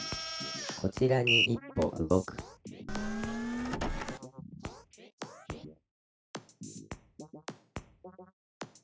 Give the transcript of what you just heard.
「こちらに１歩動く」ピッ。